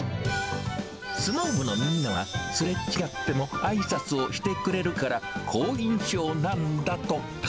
相撲部のみんなは、すれ違ってもあいさつをしてくれるから、好印象なんだとか。